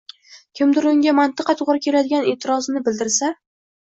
kimdir unga mantiqqa to‘g‘ri keladigan e’tirozini bildirsa.